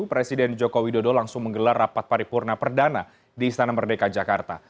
presiden joko widodo langsung menggelar rapat paripurna perdana di istana merdeka jakarta